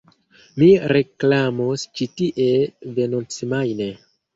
Mi reklamos ĉi tie venontsemajne